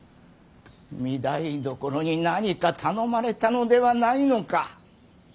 御台所に何か頼まれたのではないのか。